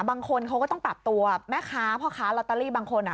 บางคนเขาก็ต้องปรับตัวแม่ค้าพ่อค้าลอตเตอรี่บางคนอ่ะ